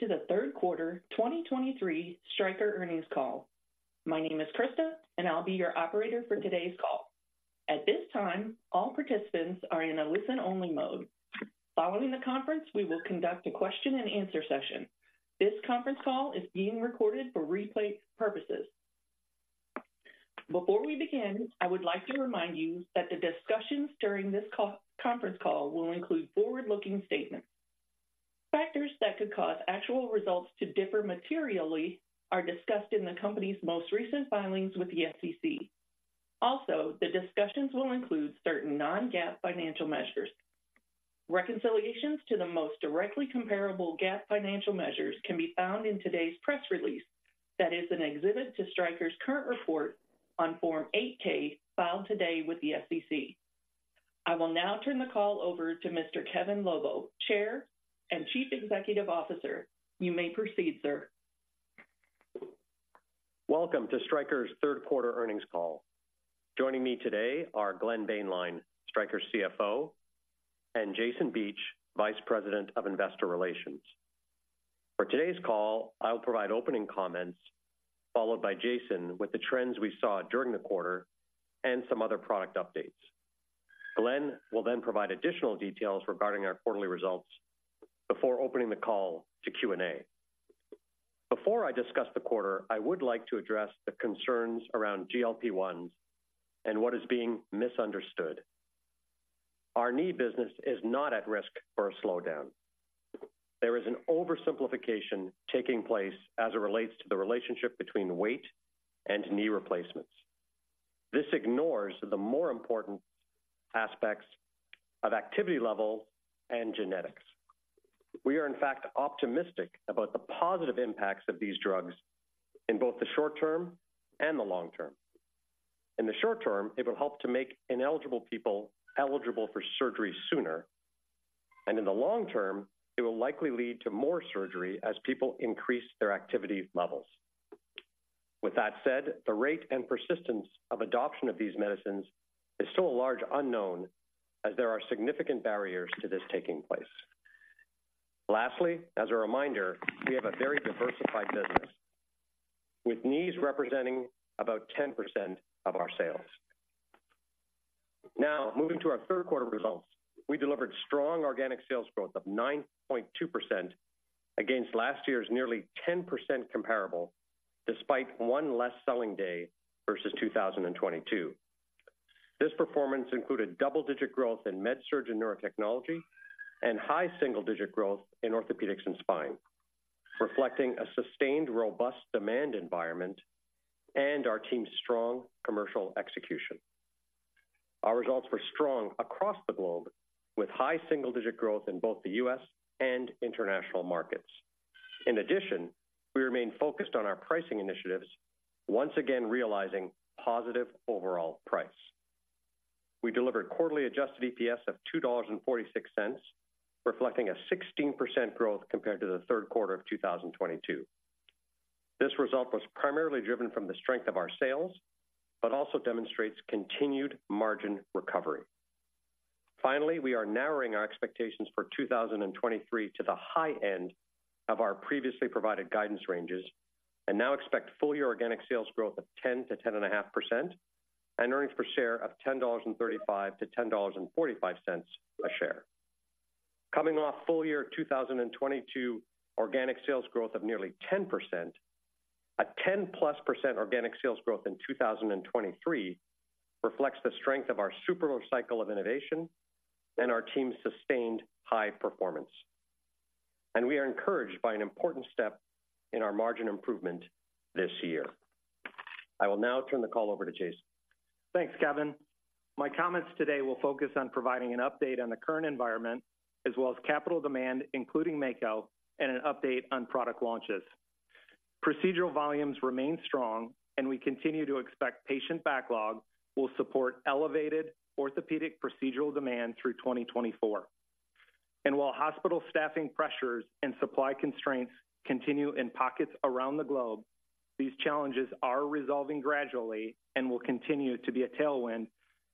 Welcome to the third quarter 2023 Stryker earnings call. My name is Krista, and I'll be your operator for today's call. At this time, all participants are in a listen-only mode. Following the conference, we will conduct a question-and-answer session. This conference call is being recorded for replay purposes. Before we begin, I would like to remind you that the discussions during this call, conference call will include forward-looking statements. Factors that could cause actual results to differ materially are discussed in the company's most recent filings with the SEC. Also, the discussions will include certain non-GAAP financial measures. Reconciliations to the most directly comparable GAAP financial measures can be found in today's press release that is an exhibit to Stryker's current report on Form 8-K, filed today with the SEC. I will now turn the call over to Mr. Kevin Lobo, Chair and Chief Executive Officer. You may proceed, sir. Welcome to Stryker's third quarter earnings call. Joining me today are Glenn Boehnlein, Stryker's CFO, and Jason Beach, Vice President of Investor Relations. For today's call, I will provide opening comments, followed by Jason with the trends we saw during the quarter and some other product updates. Glenn will then provide additional details regarding our quarterly results before opening the call to Q&A. Before I discuss the quarter, I would like to address the concerns around GLP-1 and what is being misunderstood. Our knee business is not at risk for a slowdown. There is an oversimplification taking place as it relates to the relationship between weight and knee replacements. This ignores the more important aspects of activity level and genetics. We are, in fact, optimistic about the positive impacts of these drugs in both the short term and the long term. In the short term, it will help to make ineligible people eligible for surgery sooner, and in the long term, it will likely lead to more surgery as people increase their activity levels. With that said, the rate and persistence of adoption of these medicines is still a large unknown, as there are significant barriers to this taking place. Lastly, as a reminder, we have a very diversified business, with knees representing about 10% of our sales. Now, moving to our third quarter results. We delivered strong organic sales growth of 9.2% against last year's nearly 10% comparable, despite one less selling day versus 2022. This performance included double-digit growth in MedSurg and Neurotechnology, and high single-digit growth in Orthopaedics and Spine, reflecting a sustained, robust demand environment and our team's strong commercial execution. Our results were strong across the globe, with high single-digit growth in both the U.S. and international markets. In addition, we remain focused on our pricing initiatives, once again realizing positive overall price. We delivered quarterly adjusted EPS of $2.46, reflecting a 16% growth compared to the third quarter of 2022. This result was primarily driven from the strength of our sales, but also demonstrates continued margin recovery. Finally, we are narrowing our expectations for 2023 to the high end of our previously provided guidance ranges, and now expect full-year organic sales growth of 10%-10.5%, and earnings per share of $10.35-$10.45 a share. Coming off full year 2022 organic sales growth of nearly 10%, a 10+% organic sales growth in 2023 reflects the strength of our super cycle of innovation and our team's sustained high performance, and we are encouraged by an important step in our margin improvement this year. I will now turn the call over to Jason. Thanks, Kevin. My comments today will focus on providing an update on the current environment, as well as capital demand, including Mako, and an update on product launches. Procedural volumes remain strong, and we continue to expect patient backlog will support elevated orthopedic procedural demand through 2024. While hospital staffing pressures and supply constraints continue in pockets around the globe, these challenges are resolving gradually and will continue to be a tailwind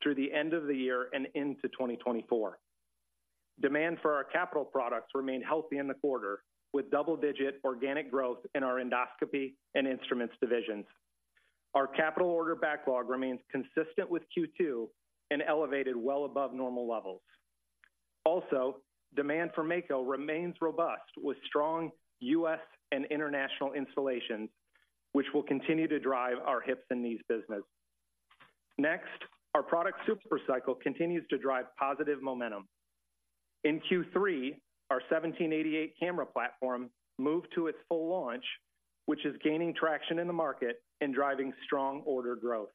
through the end of the year and into 2024. Demand for our capital products remained healthy in the quarter, with double-digit organic growth in our Endoscopy and Instruments divisions. Our capital order backlog remains consistent with Q2 and elevated well above normal levels. Also, demand for Mako remains robust, with strong U.S. and international installations, which will continue to drive our hips and knees business. Next, our product super cycle continues to drive positive momentum. In Q3, our 1788 Camera Platform moved to its full launch, which is gaining traction in the market and driving strong order growth.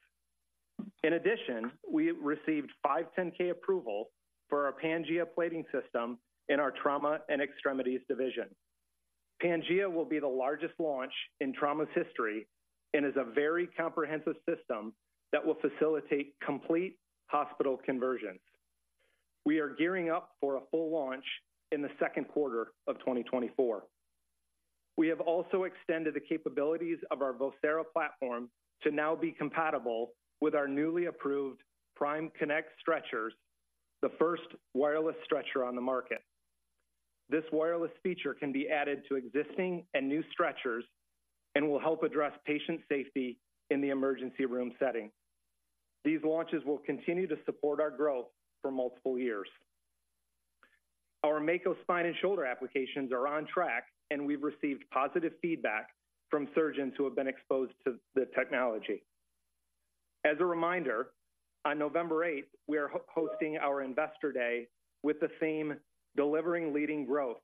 In addition, we received 510(k) approval for our Pangea Plating System in our Trauma and Extremities division. Pangea will be the largest launch in trauma's history and is a very comprehensive system that will facilitate complete hospital conversions. We are gearing up for a full launch in the second quarter of 2024. We have also extended the capabilities of our Vocera platform to now be compatible with our newly approved Prime Connect stretchers, the first wireless stretcher on the market. This wireless feature can be added to existing and new stretchers, and will help address patient safety in the emergency room setting. These launches will continue to support our growth for multiple years. Our Mako Spine and Shoulder applications are on track, and we've received positive feedback from surgeons who have been exposed to the technology. As a reminder, on November 8th, we are hosting our Investor Day with the theme, "Delivering Leading Growth,"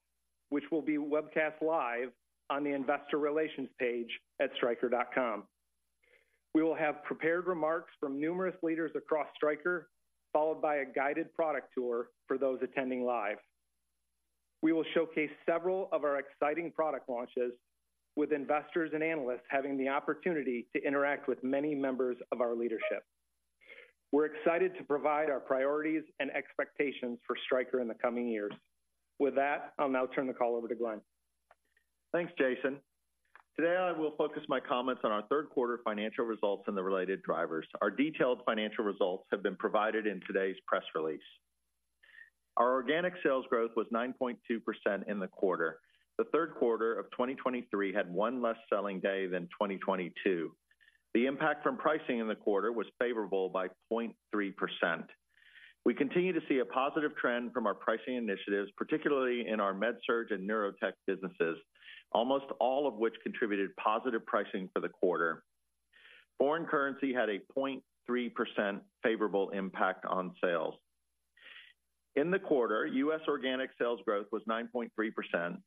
which will be webcast live on the investor relations page at stryker.com. We will have prepared remarks from numerous leaders across Stryker, followed by a guided product tour for those attending live. We will showcase several of our exciting product launches, with investors and analysts having the opportunity to interact with many members of our leadership. We're excited to provide our priorities and expectations for Stryker in the coming years. With that, I'll now turn the call over to Glenn. Thanks, Jason. Today, I will focus my comments on our third quarter financial results and the related drivers. Our detailed financial results have been provided in today's press release. Our organic sales growth was 9.2% in the quarter. The third quarter of 2023 had one less selling day than 2022. The impact from pricing in the quarter was favorable by 0.3%. We continue to see a positive trend from our pricing initiatives, particularly in our MedSurg and Neurotechnology businesses, almost all of which contributed positive pricing for the quarter. Foreign currency had a 0.3% favorable impact on sales. In the quarter, U.S. organic sales growth was 9.3%.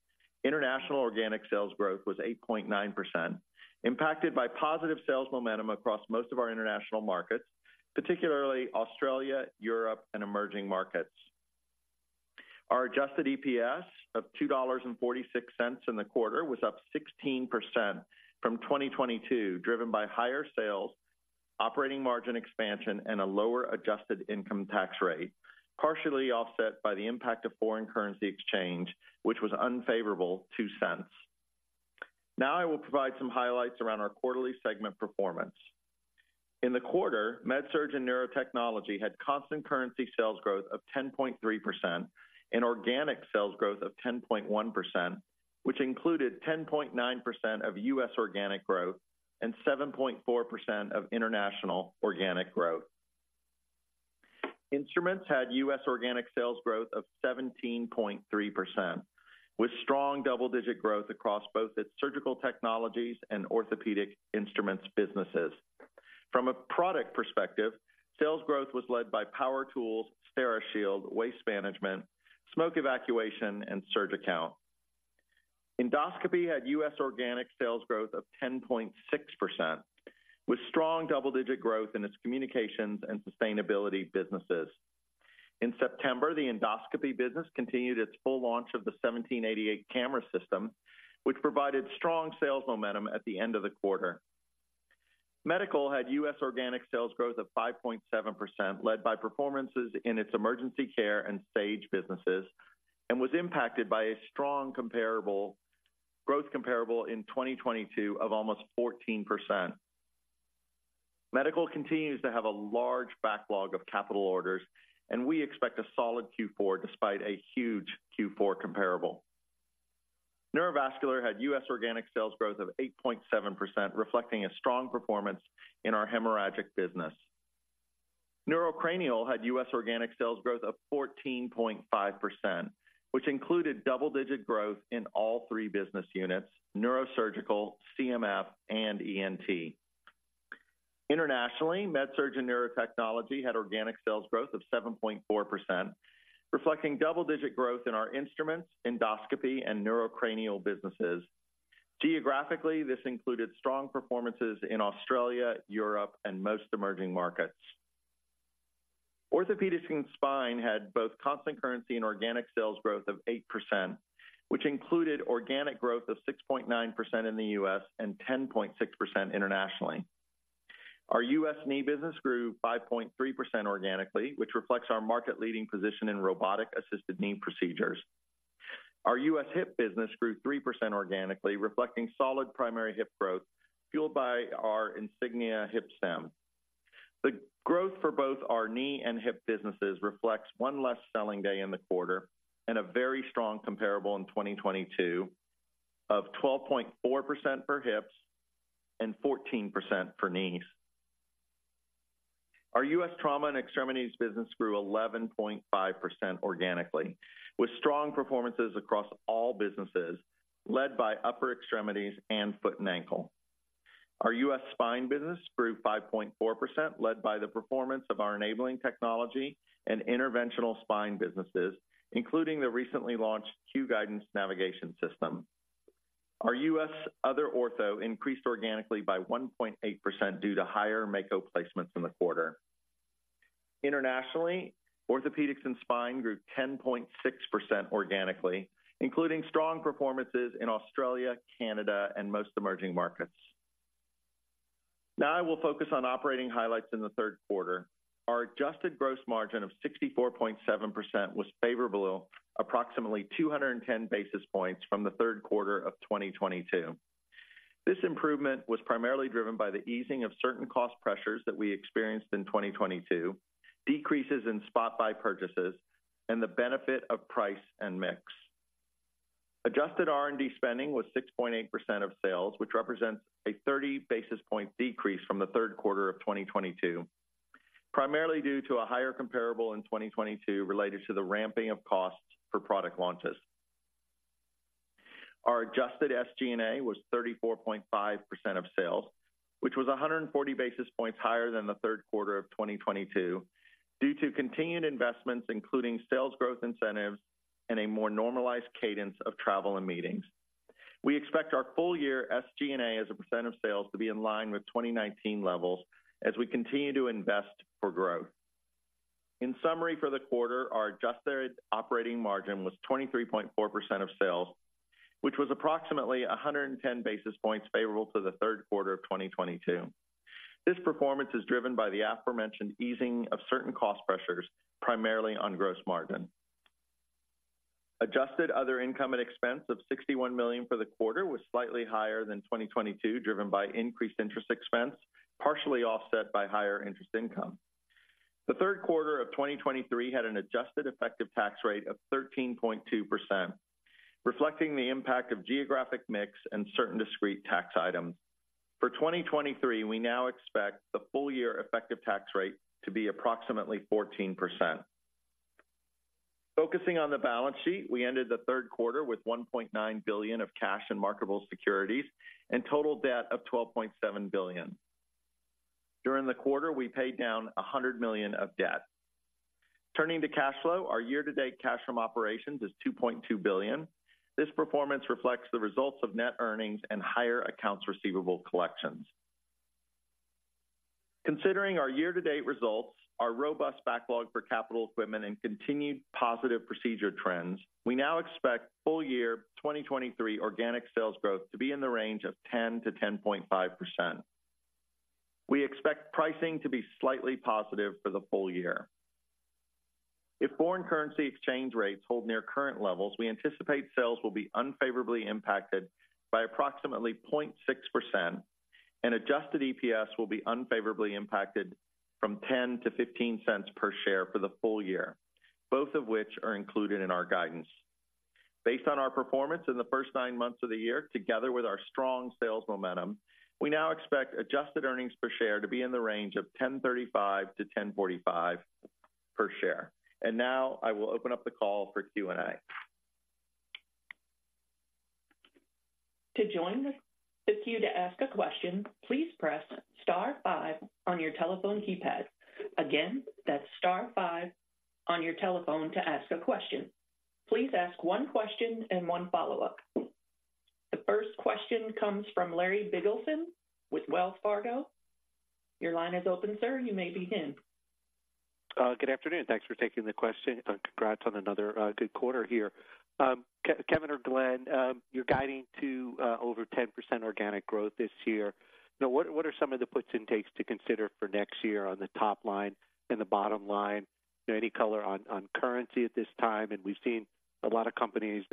International organic sales growth was 8.9%, impacted by positive sales momentum across most of our international markets, particularly Australia, Europe, and emerging markets. Our adjusted EPS of $2.46 in the quarter was up 16% from 2022, driven by higher sales, operating margin expansion, and a lower adjusted income tax rate, partially offset by the impact of foreign currency exchange, which was unfavorable $0.02. Now I will provide some highlights around our quarterly segment performance. In the quarter, MedSurg and Neurotechnology had constant currency sales growth of 10.3% and organic sales growth of 10.1%, which included 10.9% of U.S. organic growth and 7.4% of international organic growth. Instruments had U.S. organic sales growth of 17.3%, with strong double-digit growth across both its surgical technologies and Orthopaedic Instruments businesses. From a product perspective, sales growth was led by power tools, Steri-Shield, waste management, smoke evacuation, and SurgiCount. Endoscopy had US organic sales growth of 10.6%, with strong double-digit growth in its communications and sustainability businesses. In September, the endoscopy business continued its full launch of the 1788 camera system, which provided strong sales momentum at the end of the quarter. Medical had US organic sales growth of 5.7%, led by performances in its emergency care and stage businesses, and was impacted by a strong comparable growth comparable in 2022 of almost 14%. Medical continues to have a large backlog of capital orders, and we expect a solid Q4 despite a huge Q4 comparable. Neurovascular had US organic sales growth of 8.7%, reflecting a strong performance in our hemorrhagic business. Neurotechnology had US organic sales growth of 14.5%, which included double-digit growth in all three business units, Neurosurgical, CMF, and ENT. Internationally, MedSurg and Neurotechnology had organic sales growth of 7.4%, reflecting double-digit growth in our instruments, endoscopy, and neurocranial businesses. Geographically, this included strong performances in Australia, Europe, and most emerging markets. Orthopaedics and Spine had both constant currency and organic sales growth of 8%, which included organic growth of 6.9% in the U.S. and 10.6% internationally. Our U.S. knee business grew 5.3% organically, which reflects our market-leading position in robotic-assisted knee procedures. Our U.S. hip business grew 3% organically, reflecting solid primary hip growth fueled by our Insignia Hip Stem. The growth for both our knee and hip businesses reflects one less selling day in the quarter and a very strong comparable in 2022 of 12.4% for hips and 14% for knees. Our U.S. trauma and extremities business grew 11.5% organically, with strong performances across all businesses, led by upper extremities and foot and ankle. Our U.S. spine business grew 5.4%, led by the performance of our enabling technology and interventional spine businesses, including the recently launched Q Guidance navigation system. Our U.S. other ortho increased organically by 1.8% due to higher Mako placements in the quarter. Internationally, orthopaedics and spine grew 10.6% organically, including strong performances in Australia, Canada, and most emerging markets. Now I will focus on operating highlights in the third quarter. Our adjusted gross margin of 64.7% was favorable, approximately 210 basis points from the third quarter of 2022.... This improvement was primarily driven by the easing of certain cost pressures that we experienced in 2022, decreases in spot buy purchases, and the benefit of price and mix. Adjusted R&D spending was 6.8% of sales, which represents a 30 basis point decrease from the third quarter of 2022, primarily due to a higher comparable in 2022 related to the ramping of costs for product launches. Our adjusted SG&A was 34.5% of sales, which was 140 basis points higher than the third quarter of 2022, due to continued investments, including sales growth incentives and a more normalized cadence of travel and meetings. We expect our full year SG&A as a percent of sales to be in line with 2019 levels as we continue to invest for growth. In summary, for the quarter, our adjusted operating margin was 23.4% of sales, which was approximately 110 basis points favorable to the third quarter of 2022. This performance is driven by the aforementioned easing of certain cost pressures, primarily on gross margin. Adjusted other income and expense of $61 million for the quarter was slightly higher than 2022, driven by increased interest expense, partially offset by higher interest income. The third quarter of 2023 had an adjusted effective tax rate of 13.2%, reflecting the impact of geographic mix and certain discrete tax items. For 2023, we now expect the full year effective tax rate to be approximately 14%. Focusing on the balance sheet, we ended the third quarter with $1.9 billion of cash and marketable securities and total debt of $12.7 billion. During the quarter, we paid down $100 million of debt. Turning to cash flow, our year-to-date cash from operations is $2.2 billion. This performance reflects the results of net earnings and higher accounts receivable collections. Considering our year-to-date results, our robust backlog for capital equipment, and continued positive procedure trends, we now expect full year 2023 organic sales growth to be in the range of 10%-10.5%. We expect pricing to be slightly positive for the full year. If foreign currency exchange rates hold near current levels, we anticipate sales will be unfavorably impacted by approximately 0.6%, and adjusted EPS will be unfavorably impacted from $0.10-$0.15 per share for the full year, both of which are included in our guidance. Based on our performance in the first nine months of the year, together with our strong sales momentum, we now expect adjusted earnings per share to be in the range of $10.35-$10.45 per share. Now I will open up the call for Q&A. To join the queue to ask a question, please press star five on your telephone keypad. Again, that's star five on your telephone to ask a question. Please ask one question and one follow-up. The first question comes from Larry Biegelsen with Wells Fargo. Your line is open, sir. You may begin. Good afternoon. Thanks for taking the question, and congrats on another good quarter here. Kevin or Glenn, you're guiding to over 10% organic growth this year. Now, what are some of the puts and takes to consider for next year on the top line and the bottom line? Any color on currency at this time? And we've seen a lot of companies,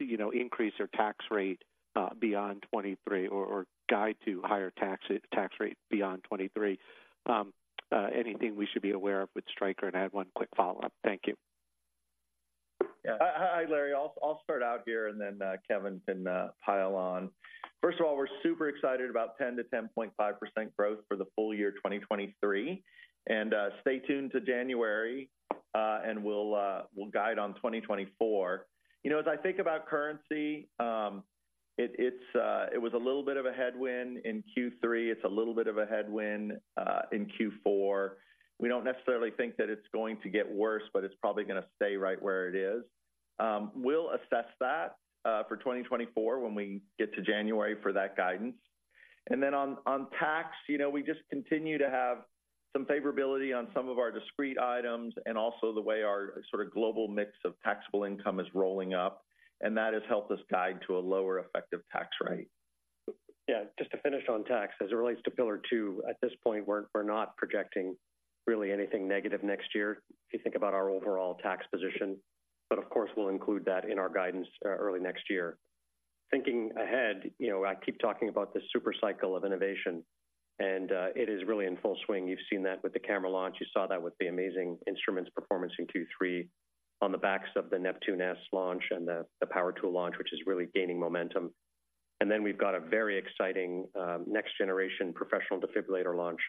you know, increase their tax rate beyond 23% or guide to higher tax rate beyond 23%. Anything we should be aware of with Stryker? And I have one quick follow-up. Thank you. Yeah. Hi, Larry. I'll, I'll start out here, and then, Kevin can, pile on. First of all, we're super excited about 10%-10.5% growth for the full year, 2023. Stay tuned to January, and we'll, we'll guide on 2024. You know, as I think about currency, it, it's, it was a little bit of a headwind in Q3. It's a little bit of a headwind, in Q4. We don't necessarily think that it's going to get worse, but it's probably going to stay right where it is. We'll assess that, for 2024 when we get to January for that guidance. And then on tax, you know, we just continue to have some favorability on some of our discrete items and also the way our sort of global mix of taxable income is rolling up, and that has helped us guide to a lower effective tax rate. Yeah, just to finish on tax, as it relates to Pillar II, at this point, we're not projecting really anything negative next year, if you think about our overall tax position. But of course, we'll include that in our guidance early next year. Thinking ahead, you know, I keep talking about this super cycle of innovation, and it is really in full swing. You've seen that with the camera launch. You saw that with the amazing instruments performance in Q3 on the backs of the Neptune S launch and the power tool launch, which is really gaining momentum. And then we've got a very exciting next-generation professional defibrillator launch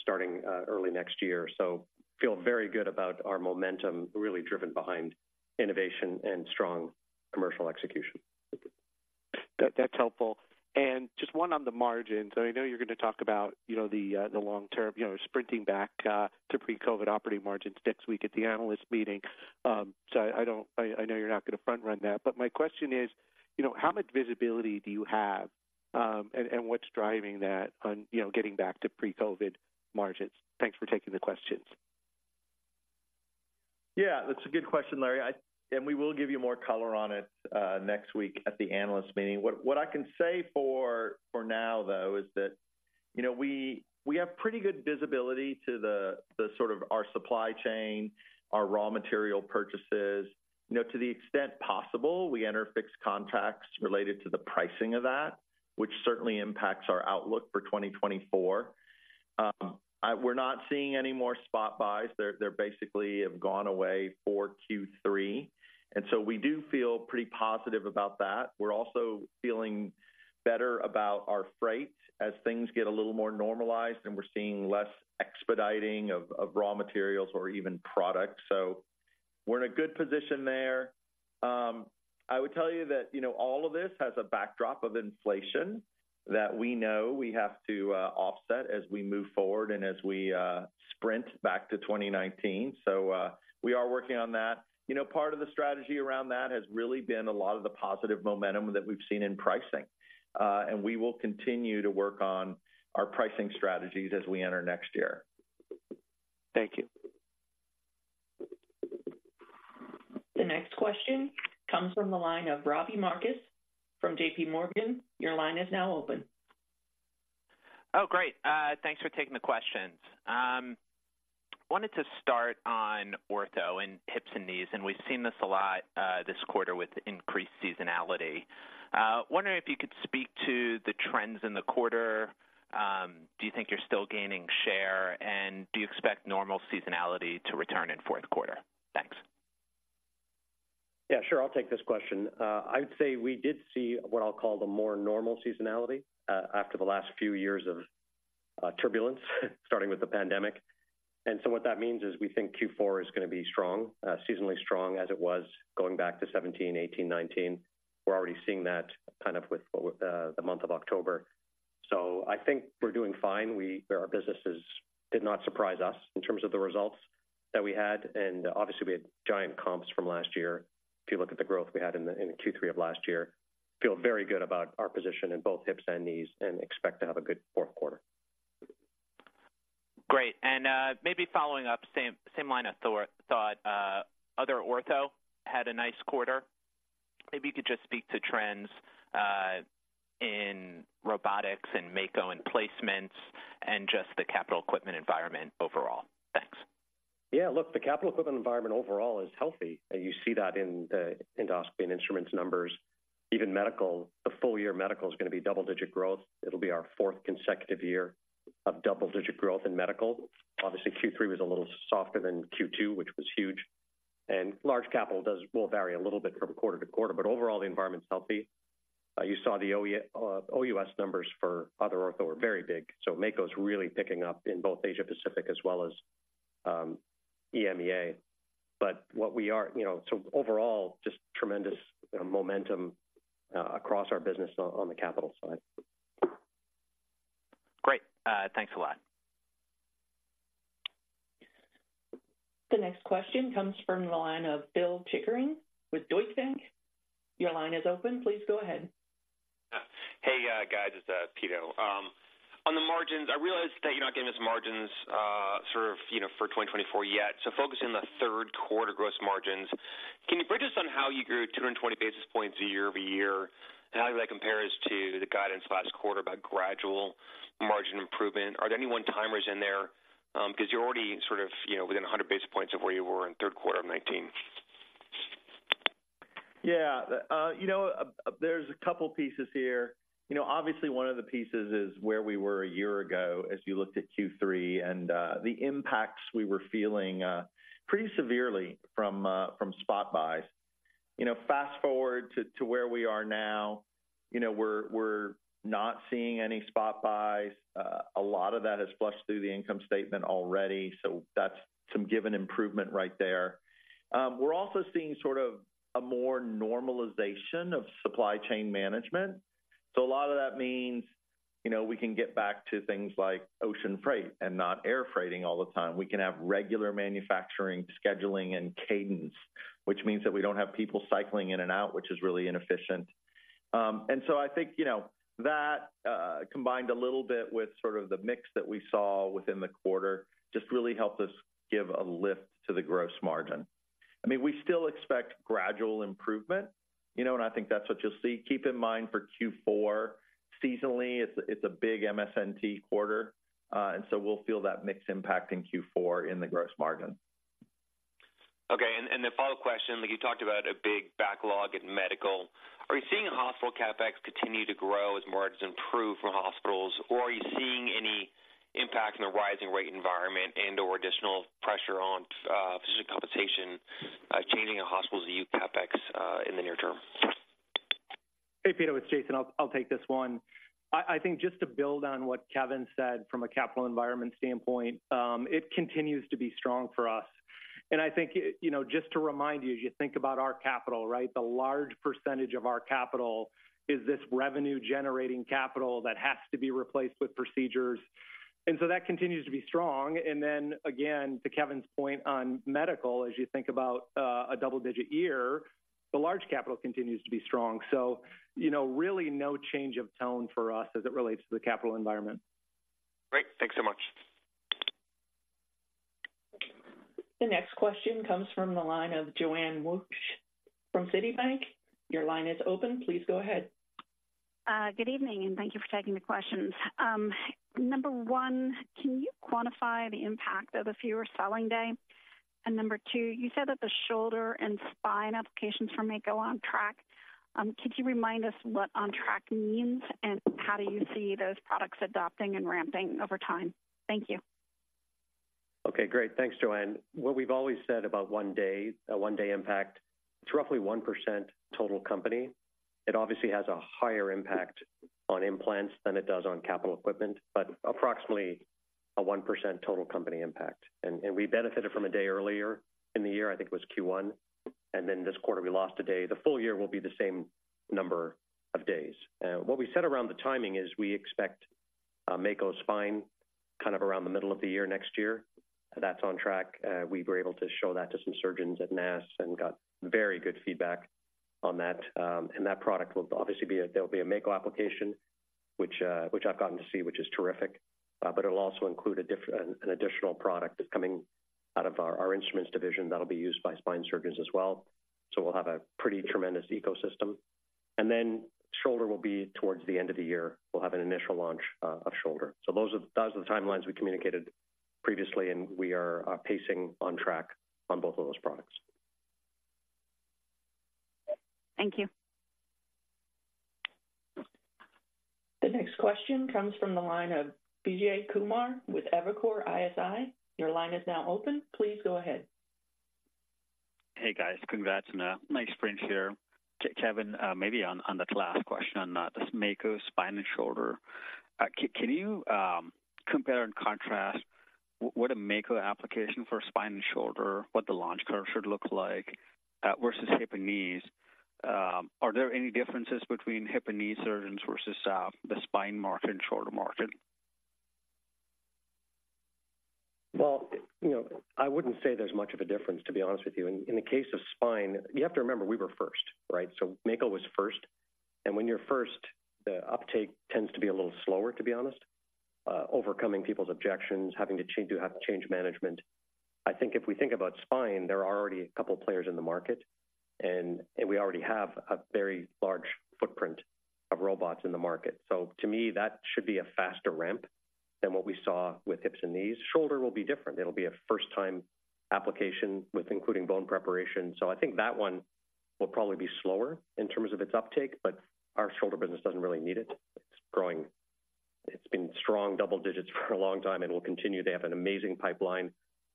starting early next year. So feel very good about our momentum, really driven behind innovation and strong commercial execution. That, that's helpful. Just one on the margins. I know you're going to talk about, you know, the long term, you know, sprinting back to pre-COVID operating margins next week at the analyst meeting. So I don't—I know you're not going to front run that. But my question is, you know, how much visibility do you have, and what's driving that on, you know, getting back to pre-COVID margins? Thanks for taking the questions. Yeah, that's a good question, Larry. And we will give you more color on it next week at the analyst meeting. What I can say for now, though, is that. You know, we have pretty good visibility to the sort of our supply chain, our raw material purchases. You know, to the extent possible, we enter fixed contracts related to the pricing of that, which certainly impacts our outlook for 2024. We're not seeing any more spot buys. They basically have gone away for Q3, and so we do feel pretty positive about that. We're also feeling better about our freight as things get a little more normalized, and we're seeing less expediting of raw materials or even products, so we're in a good position there. I would tell you that, you know, all of this has a backdrop of inflation that we know we have to offset as we move forward and as we sprint back to 2019. So, we are working on that. You know, part of the strategy around that has really been a lot of the positive momentum that we've seen in pricing. And we will continue to work on our pricing strategies as we enter next year. Thank you. The next question comes from the line of Robbie Marcus from JPMorgan. Your line is now open. Oh, great! Thanks for taking the questions. Wanted to start on ortho and hips and knees, and we've seen this a lot, this quarter with increased seasonality. Wondering if you could speak to the trends in the quarter. Do you think you're still gaining share, and do you expect normal seasonality to return in fourth quarter? Thanks. Yeah, sure. I'll take this question. I'd say we did see what I'll call the more normal seasonality, after the last few years of turbulence, starting with the pandemic. And so what that means is, we think Q4 is going to be strong, seasonally strong as it was going back to 17, 18, 19. We're already seeing that kind of with the month of October. So I think we're doing fine. Our businesses did not surprise us in terms of the results that we had, and obviously we had giant comps from last year. If you look at the growth we had in the, in Q3 of last year, feel very good about our position in both hips and knees and expect to have a good fourth quarter. Great. And maybe following up, same line of thought. Other ortho had a nice quarter. Maybe you could just speak to trends in robotics and Mako and placements and just the capital equipment environment overall. Thanks. Yeah, look, the capital equipment environment overall is healthy, and you see that in the endoscopy and instruments numbers. Even medical, the full-year medical is going to be double-digit growth. It'll be our fourth consecutive year of double-digit growth in medical. Obviously, Q3 was a little softer than Q2, which was huge, and large capital does will vary a little bit from quarter to quarter, but overall, the environment's healthy. You saw the OUS numbers for other ortho were very big, so Mako is really picking up in both Asia Pacific as well as EMEA. But what we are, you know. So overall, just tremendous momentum across our business on the capital side. Great. Thanks a lot. The next question comes from the line of Bill Chickering with Deutsche Bank. Your line is open. Please go ahead. Hey, guys, it's Pito. On the margins, I realize that you're not giving us margins sort of, you know, for 2024 yet, so focusing on the third quarter gross margins, can you bridge us on how you grew 220 basis points year-over-year, and how does that compares to the guidance last quarter about gradual margin improvement? Are there any one-timers in there? Because you're already sort of, you know, within 100 basis points of where you were in third quarter of 2019. Yeah, you know, there's a couple pieces here. You know, obviously one of the pieces is where we were a year ago as you looked at Q3 and, the impacts we were feeling, pretty severely from, from spot buys. You know, fast-forward to, to where we are now, you know, we're, we're not seeing any spot buys. A lot of that has flushed through the income statement already, so that's some given improvement right there. We're also seeing sort of a more normalization of supply chain management. So a lot of that means, you know, we can get back to things like ocean freight and not air freighting all the time. We can have regular manufacturing, scheduling, and cadence, which means that we don't have people cycling in and out, which is really inefficient. And so I think, you know, that combined a little bit with sort of the mix that we saw within the quarter, just really helped us give a lift to the gross margin. I mean, we still expect gradual improvement, you know, and I think that's what you'll see. Keep in mind for Q4, seasonally, it's a big MSNT quarter, and so we'll feel that mix impact in Q4 in the gross margin. Okay, the follow-up question, like you talked about a big backlog in medical. Are you seeing hospital CapEx continue to grow as margins improve for hospitals, or are you seeing any impact in the rising rate environment and/or additional pressure on physician compensation, changing a hospital's EU CapEx in the near term? Hey, Pito, it's Jason. I'll take this one. I think just to build on what Kevin said from a capital environment standpoint, it continues to be strong for us. And I think, you know, just to remind you, as you think about our capital, right, the large percentage of our capital is this revenue-generating capital that has to be replaced with procedures, and so that continues to be strong. And then again, to Kevin's point on medical, as you think about a double-digit year, the large capital continues to be strong. So, you know, really no change of tone for us as it relates to the capital environment. Great. Thanks so much.... The next question comes from the line of Joanne Wuensch from Citibank. Your line is open. Please go ahead. Good evening, and thank you for taking the questions. Number one, can you quantify the impact of a fewer selling day? And number two, you said that the shoulder and spine applications for Mako are on track. Could you remind us what on track means, and how do you see those products adopting and ramping over time? Thank you. Okay, great. Thanks, Joanne. What we've always said about one day, a one-day impact, it's roughly 1% total company. It obviously has a higher impact on implants than it does on capital equipment, but approximately a 1% total company impact. And we benefited from a day earlier in the year, I think it was Q1, and then this quarter we lost a day. The full year will be the same number of days. What we said around the timing is we expect Mako's Spine kind of around the middle of the year next year. That's on track. We were able to show that to some surgeons at NASS and got very good feedback on that. And that product will obviously be—there will be a Mako application, which I've gotten to see, which is terrific. But it'll also include an additional product that's coming out of our instruments division that'll be used by spine surgeons as well. So we'll have a pretty tremendous ecosystem. And then shoulder will be towards the end of the year. We'll have an initial launch of shoulder. So those are the timelines we communicated previously, and we are pacing on track on both of those products. Thank you. The next question comes from the line of Vijay Kumar with Evercore ISI. Your line is now open. Please go ahead. Hey, guys. Congrats on a nice sprint here. Kevin, maybe on the last question on this Mako Spine and Shoulder. Can you compare and contrast what a Mako application for spine and shoulder, what the launch curve should look like, versus hip and knees? Are there any differences between hip and knee surgeons versus the spine market and shoulder market? Well, you know, I wouldn't say there's much of a difference, to be honest with you. In the case of spine, you have to remember, we were first, right? So Mako was first, and when you're first, the uptake tends to be a little slower, to be honest. Overcoming people's objections, having to change, you have change management. I think if we think about spine, there are already a couple of players in the market, and we already have a very large footprint of robots in the market. So to me, that should be a faster ramp than what we saw with hips and knees. Shoulder will be different. It'll be a first-time application with including bone preparation. So I think that one will probably be slower in terms of its uptake, but our shoulder business doesn't really need it. It's growing. It's been strong double digits for a long time and will continue to have an amazing pipeline.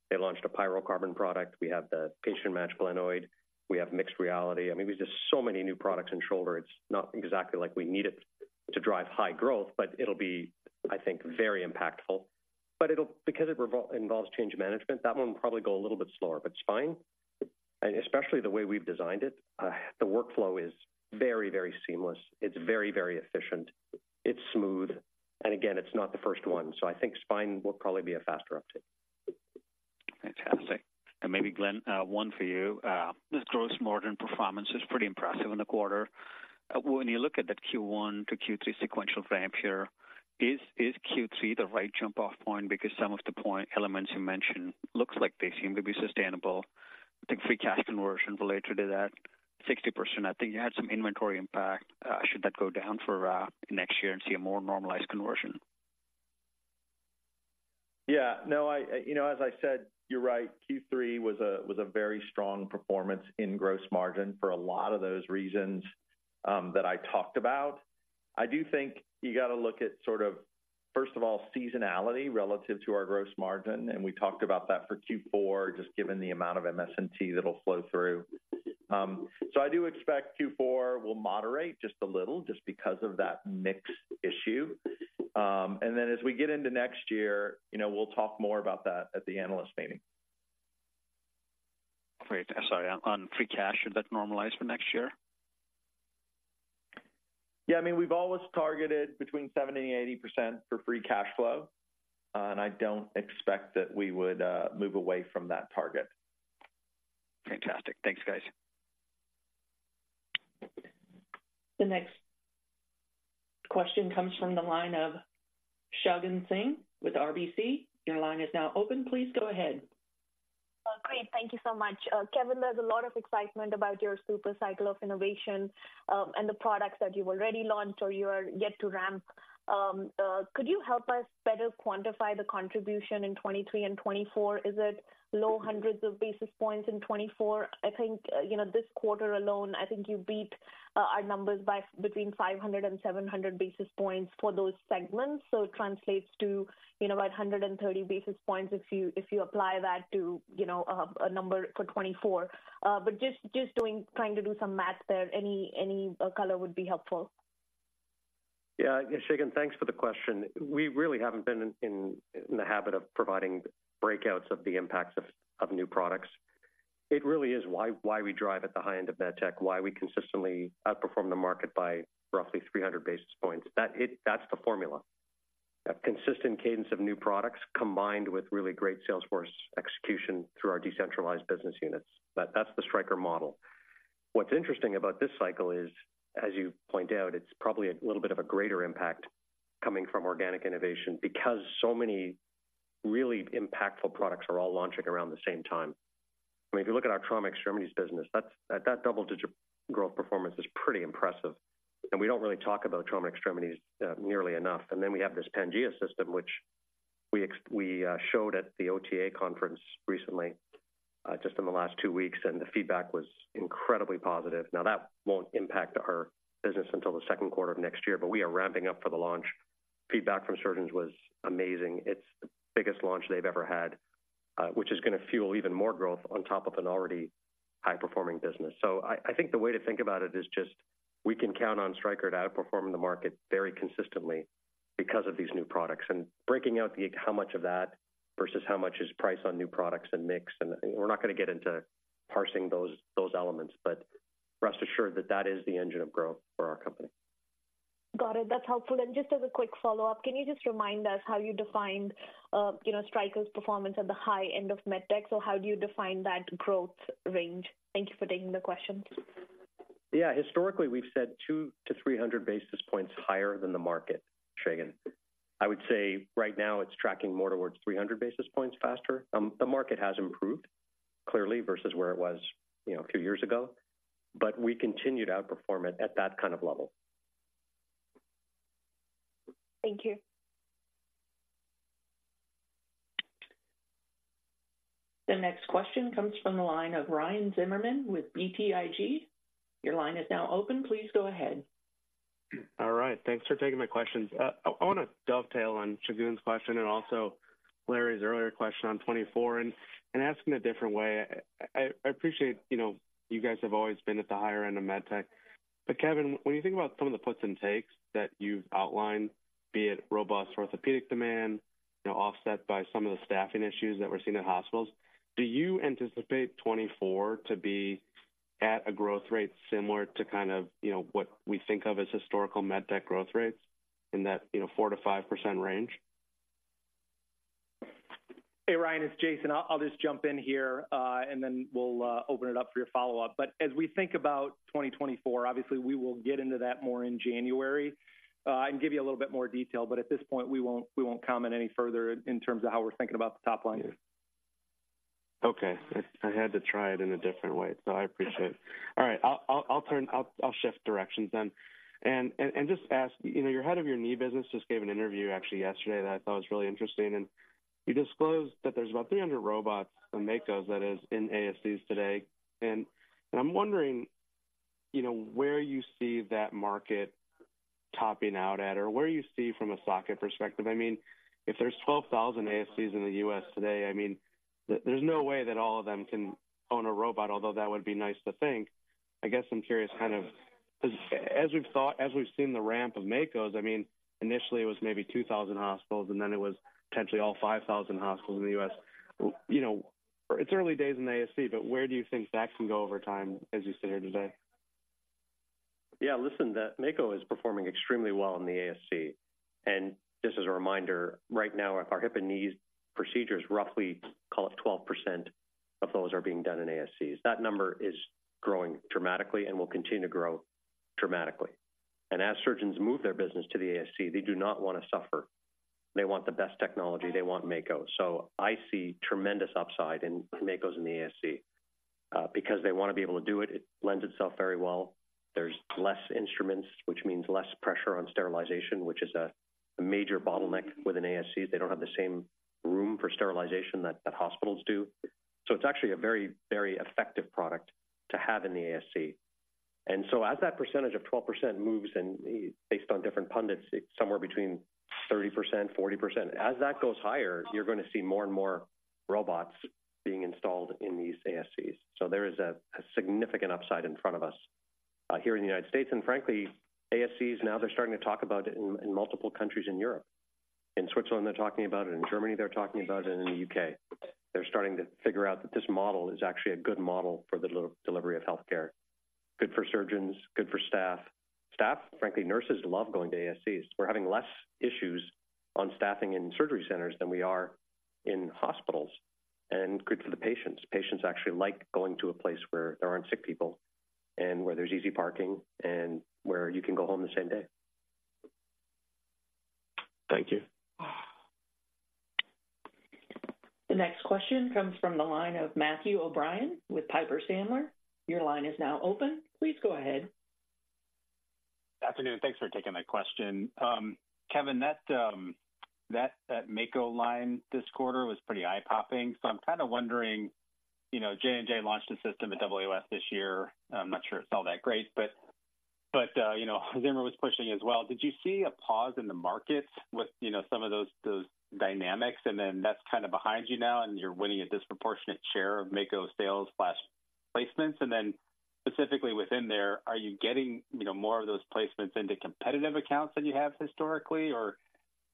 They launched a pyrocarbon product. We have the patient match glenoid. We have mixed reality. I mean, there's just so many new products in shoulder. It's not exactly like we need it to drive high growth, but it'll be, I think, very impactful. But it'll because it involves change management, that one will probably go a little bit slower. But spine, and especially the way we've designed it, the workflow is very, very seamless. It's very, very efficient, it's smooth, and again, it's not the first one. So I think spine will probably be a faster uptake. Fantastic. And maybe, Glenn, one for you. This gross margin performance is pretty impressive in the quarter. When you look at that Q1 to Q3 sequential ramp here, is Q3 the right jump-off point? Because some of the point elements you mentioned looks like they seem to be sustainable. I think free cash conversion related to that 60%, I think you had some inventory impact. Should that go down for next year and see a more normalized conversion? Yeah. No, I, you know, as I said, you're right. Q3 was a very strong performance in gross margin for a lot of those reasons that I talked about. I do think you got to look at sort of, first of all, seasonality relative to our gross margin, and we talked about that for Q4, just given the amount of MSNT that'll flow through. So I do expect Q4 will moderate just a little, just because of that mix issue. And then as we get into next year, you know, we'll talk more about that at the analyst meeting. Great. Sorry, on free cash, should that normalize for next year? Yeah, I mean, we've always targeted between 70%-80% for free cash flow, and I don't expect that we would move away from that target. Fantastic. Thanks, guys. The next question comes from the line of Shagun Singh with RBC. Your line is now open. Please go ahead. Great. Thank you so much. Kevin, there's a lot of excitement about your super cycle of innovation, and the products that you've already launched or you are yet to ramp. Could you help us better quantify the contribution in 2023 and 2024? Is it low hundreds of basis points in 2024? I think, you know, this quarter alone, I think you beat our numbers by between 500 and 700 basis points for those segments. So it translates to, you know, about 130 basis points if you, if you apply that to, you know, a number for 2024. But just, just doing—trying to do some math there, any color would be helpful. Yeah, Shagun, thanks for the question. We really haven't been in the habit of providing breakouts of the impacts of new products. It really is why we drive at the high end of med tech, why we consistently outperform the market by roughly 300 basis points. That's the formula. A consistent cadence of new products combined with really great sales force execution through our decentralized business units. That's the Stryker model. What's interesting about this cycle is, as you pointed out, it's probably a little bit of a greater impact coming from organic innovation, because so many really impactful products are all launching around the same time. I mean, if you look at our trauma extremities business, that double-digit growth performance is pretty impressive, and we don't really talk about trauma extremities nearly enough. Then we have this Pangea system, which we showed at the OTA conference recently, just in the last two weeks, and the feedback was incredibly positive. Now, that won't impact our business until the second quarter of next year, but we are ramping up for the launch. Feedback from surgeons was amazing. It's the biggest launch they've ever had, which is going to fuel even more growth on top of an already high-performing business. So I think the way to think about it is just, we can count on Stryker to outperform the market very consistently because of these new products. And breaking out the how much of that versus how much is price on new products and mix, and we're not going to get into parsing those elements, but rest assured that that is the engine of growth for our company. Got it. That's helpful. Just as a quick follow-up, can you just remind us how you define, you know, Stryker's performance at the high end of med tech? So how do you define that growth range? Thank you for taking the question. Yeah. Historically, we've said 200-300 basis points higher than the market, Shagun. I would say right now it's tracking more towards 300 basis points faster. The market has improved clearly versus where it was, you know, a few years ago, but we continue to outperform it at that kind of level. Thank you. The next question comes from the line of Ryan Zimmerman with BTIG. Your line is now open. Please go ahead. All right, thanks for taking my questions. I want to dovetail on Shagun's question and also Larry's earlier question on 2024 and ask in a different way. I appreciate, you know, you guys have always been at the higher end of med tech, but Kevin, when you think about some of the puts and takes that you've outlined, be it robust orthopedic demand, you know, offset by some of the staffing issues that we're seeing in hospitals, do you anticipate 2024 to be at a growth rate similar to kind of, you know, what we think of as historical med tech growth rates in that, you know, 4%-5% range? Hey, Ryan, it's Jason. I'll just jump in here, and then we'll open it up for your follow-up. But as we think about 2024, obviously, we will get into that more in January, and give you a little bit more detail, but at this point, we won't comment any further in terms of how we're thinking about the top line. Okay. I had to try it in a different way, so I appreciate it. All right. I'll turn... I'll shift directions then. And just ask, you know, your head of your knee business just gave an interview actually yesterday that I thought was really interesting, and he disclosed that there's about 300 robots, and Mako's that is, in ASCs today. And I'm wondering, you know, where you see that market topping out at, or where you see from a socket perspective. I mean, if there's 12,000 ASCs in the U.S. today, I mean, there's no way that all of them can own a robot, although that would be nice to think. I guess I'm curious, kind of, as we've seen the ramp of Makos. I mean, initially it was maybe 2,000 hospitals, and then it was potentially all 5,000 hospitals in the US. You know, it's early days in ASC, but where do you think that can go over time, as you sit here today? Yeah, listen, the Mako is performing extremely well in the ASC, and just as a reminder, right now, our hip and knee procedures, roughly call it 12% of those are being done in ASCs. That number is growing dramatically and will continue to grow dramatically. And as surgeons move their business to the ASC, they do not want to suffer. They want the best technology. They want Mako. So I see tremendous upside in Makos in the ASC, because they want to be able to do it. It lends itself very well. There's less instruments, which means less pressure on sterilization, which is a major bottleneck with an ASC. They don't have the same room for sterilization that hospitals do. So it's actually a very, very effective product to have in the ASC. So as that percentage of 12% moves and based on different pundits, somewhere between 30%-40%, as that goes higher, you're going to see more and more robots being installed in these ASCs. So there is a significant upside in front of us here in the United States. And frankly, ASCs, now they're starting to talk about it in multiple countries in Europe. In Switzerland, they're talking about it, in Germany, they're talking about it, and in the U.K. They're starting to figure out that this model is actually a good model for the delivery of healthcare, good for surgeons, good for staff. Staff, frankly, nurses love going to ASCs. We're having less issues on staffing in surgery centers than we are in hospitals, and good for the patients. Patients actually like going to a place where there aren't sick people, and where there's easy parking, and where you can go home the same day. Thank you. The next question comes from the line of Matthew O'Brien with Piper Sandler. Your line is now open. Please go ahead. Good afternoon. Thanks for taking my question. Kevin, that that that Mako line this quarter was pretty eye-popping. So I'm kind of wondering, you know, J&J launched a system at WS this year. I'm not sure it's all that great, but but, you know, Zimmer was pushing as well. Did you see a pause in the market with, you know, some of those those dynamics, and then that's kind of behind you now, and you're winning a disproportionate share of Mako sales/placements? And then specifically within there, are you getting, you know, more of those placements into competitive accounts than you have historically? Or,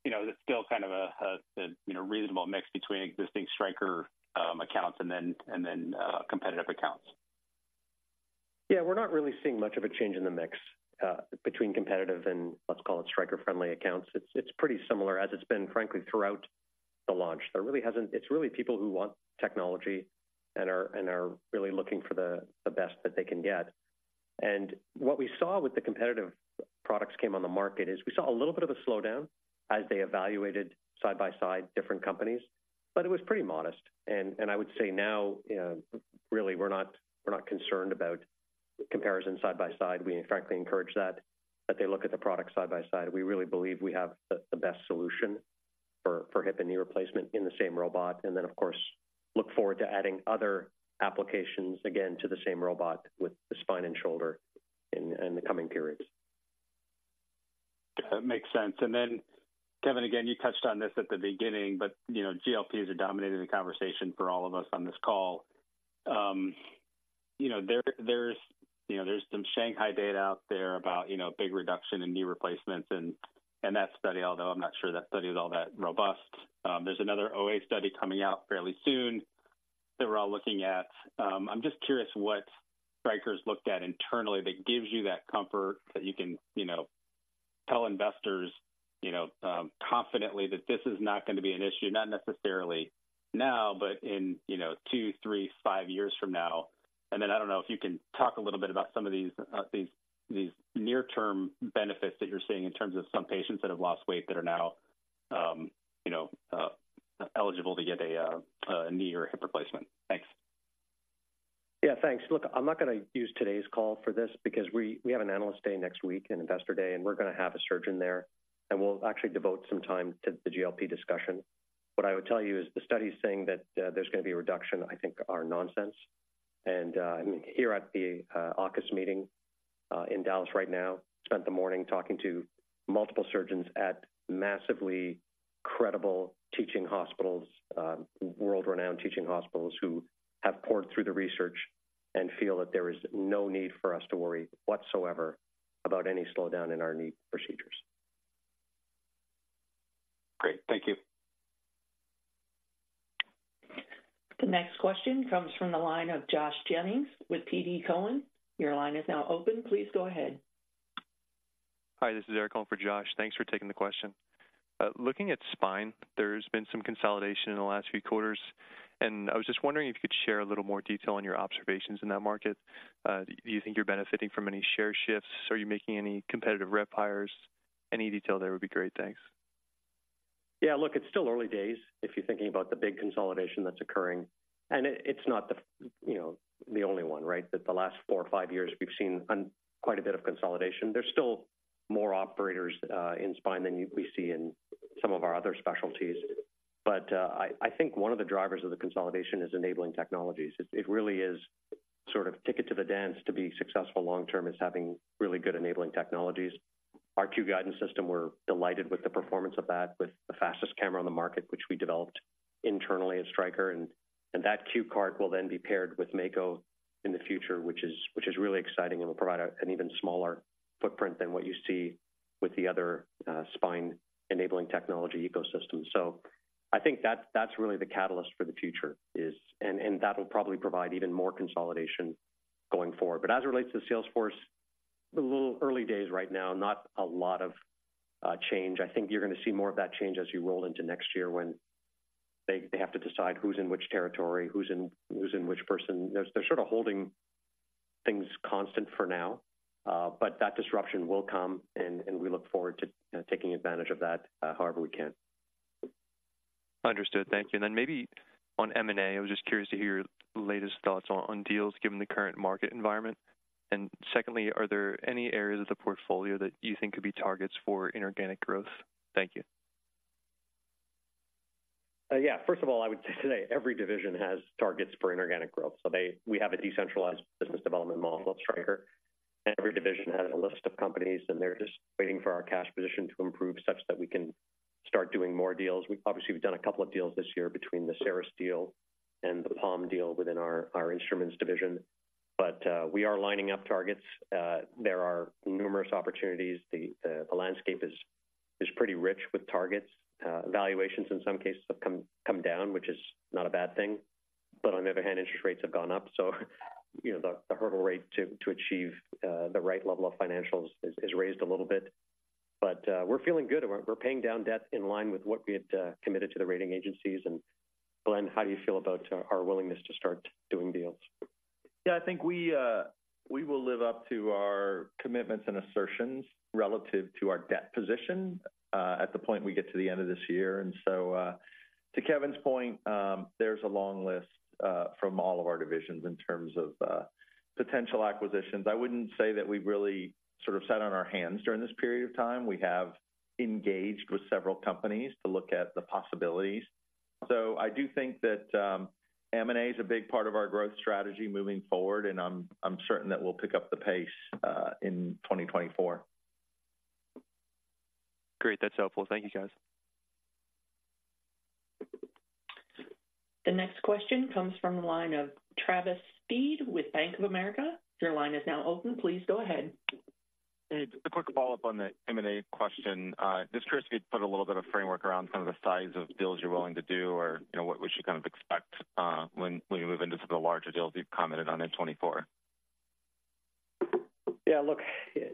you know, is it still kind of a a reasonable mix between existing Stryker accounts and then and then competitive accounts? Yeah, we're not really seeing much of a change in the mix between competitive and let's call it Stryker-friendly accounts. It's pretty similar as it's been, frankly, throughout the launch. It's really people who want technology and are really looking for the best that they can get. And what we saw with the competitive products came on the market is we saw a little bit of a slowdown as they evaluated side by side different companies, but it was pretty modest. And I would say now, really, we're not concerned about comparison side by side. We frankly encourage that they look at the product side by side. We really believe we have the best solution for hip and knee replacement in the same robot, and then, of course, look forward to adding other applications again to the same robot with the spine and shoulder in the coming periods. Makes sense. Then, Kevin, again, you touched on this at the beginning, but, you know, GLPs are dominating the conversation for all of us on this call. You know, there, there's, you know, there's some Shanghai data out there about, you know, big reduction in knee replacements and, and that study, although I'm not sure that study is all that robust. There's another OA study coming out fairly soon that we're all looking at. I'm just curious what Stryker's looked at internally that gives you that comfort that you can, you know, tell investors, you know, confidently that this is not going to be an issue, not necessarily now, but in, you know, two, three, five years from now. And then I don't know if you can talk a little bit about some of these near-term benefits that you're seeing in terms of some patients that have lost weight that are now, you know, eligible to get a knee or hip replacement. Thanks. Yeah, thanks. Look, I'm not gonna use today's call for this because we have an Analyst Day next week, an Investor Day, and we're gonna have a surgeon there, and we'll actually devote some time to the GLP discussion. What I would tell you is, the studies saying that there's gonna be a reduction, I think, are nonsense. And, I'm here at the AAOS meeting in Dallas right now. Spent the morning talking to multiple surgeons at massively credible teaching hospitals, world-renowned teaching hospitals, who have pored through the research and feel that there is no need for us to worry whatsoever about any slowdown in our knee procedures. Great. Thank you. The next question comes from the line of Josh Jennings with TD Cowen. Your line is now open. Please go ahead. Hi, this is Eric calling for Josh. Thanks for taking the question. Looking at spine, there's been some consolidation in the last few quarters, and I was just wondering if you could share a little more detail on your observations in that market. Do you think you're benefiting from any share shifts? Are you making any competitive rep hires? Any detail there would be great. Thanks. Yeah, look, it's still early days if you're thinking about the big consolidation that's occurring, and it, it's not the, you know, the only one, right? That the last four or five years we've seen quite a bit of consolidation. There's still more operators in spine than we see in some of our other specialties. But I think one of the drivers of the consolidation is enabling technologies. It really is sort ticket to the dance to be successful long term, is having really good enabling technologies. Our Q Guidance System, we're delighted with the performance of that, with the fastest camera on the market, which we developed internally at Stryker. And that QCart will then be paired with Mako in the future, which is really exciting and will provide an even smaller footprint than what you see with the other spine-enabling technology ecosystem. So I think that's really the catalyst for the future... And that'll probably provide even more consolidation going forward. But as it relates to the sales force, a little early days right now, not a lot of change. I think you're gonna see more of that change as you roll into next year when they have to decide who's in which territory, who's in which person. They're sort of holding things constant for now, but that disruption will come and we look forward to taking advantage of that however we can. Understood. Thank you. And then maybe on M&A, I was just curious to hear your latest thoughts on, on deals, given the current market environment. And secondly, are there any areas of the portfolio that you think could be targets for inorganic growth? Thank you. Yeah, first of all, I would say every division has targets for inorganic growth. So we have a decentralized business development model at Stryker, and every division has a list of companies, and they're just waiting for our cash position to improve such that we can start doing more deals. We've obviously done a couple of deals this year between the Cerus deal and taahe Palm deal within our instruments division, but we are lining up targets. There are numerous opportunities. The landscape is pretty rich with targets. Valuations in some cases have come down, which is not a bad thing, but on the other hand, interest rates have gone up. So, you know, the hurdle rate to achieve the right level of financials is raised a little bit. But, we're feeling good and we're paying down debt in line with what we had committed to the rating agencies. And Glenn, how do you feel about our willingness to start doing deals? Yeah, I think we, we will live up to our commitments and assertions relative to our debt position, at the point we get to the end of this year. And so, to Kevin's point, there's a long list, from all of our divisions in terms of, potential acquisitions. I wouldn't say that we've really sort of sat on our hands during this period of time. We have engaged with several companies to look at the possibilities. So I do think that, M&A is a big part of our growth strategy moving forward, and I'm, I'm certain that we'll pick up the pace, in 2024. Great. That's helpful. Thank you, guys. The next question comes from the line of Travis Steed with Bank of America. Your line is now open. Please go ahead. Hey, just a quick follow-up on the M&A question. Just curious if you'd put a little bit of framework around some of the size of deals you're willing to do or, you know, what we should kind of expect, when you move into some of the larger deals you've commented on in 2024. Yeah, look,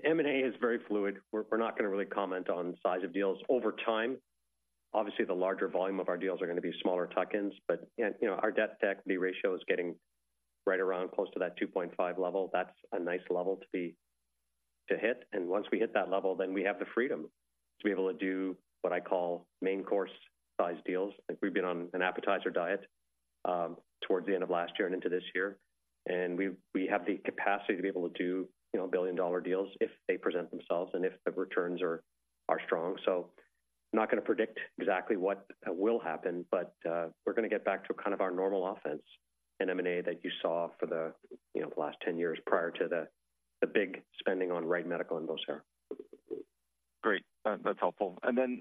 M&A is very fluid. We're not gonna really comment on size of deals over time.... obviously, the larger volume of our deals are gonna be smaller tuck-ins, but, you know, our debt-to-equity ratio is getting right around close to that 2.5 level. That's a nice level to be-- to hit, and once we hit that level, then we have the freedom to be able to do what I call main course-sized deals. Like, we've been on an appetizer diet towards the end of last year and into this year, and we have the capacity to be able to do, you know, billion-dollar deals if they present themselves and if the returns are strong. So I'm not gonna predict exactly what will happen, but we're gonna get back to kind of our normal offense in M&A that you saw for the, you know, the last 10 years prior to the big spending on Wright Medical and Vocera. Great. That's helpful. And then,